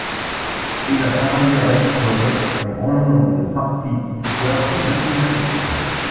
Il a par ailleurs exploré un grand nombre de parties de l’histoire des mathématiques.